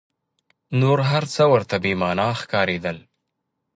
نور هر څه ورته بې مانا ښکارېدل.